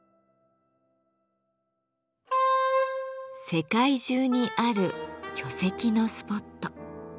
世界中にある巨石のスポット。